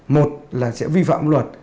một là sẽ vi phạm luật